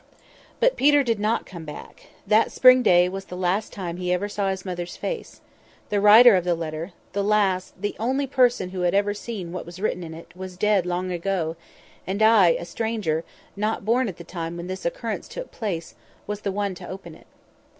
But Peter did not come back. That spring day was the last time he ever saw his mother's face. The writer of the letter—the last—the only person who had ever seen what was written in it, was dead long ago; and I, a stranger, not born at the time when this occurrence took place, was the one to open it.